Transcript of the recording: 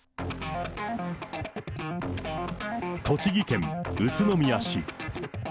栃木県宇都宮市。